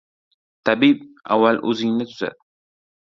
• Tabib, avval o‘zingni tuzat!